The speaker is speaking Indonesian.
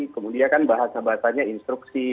kemudian kan bahasa bahasanya instruksi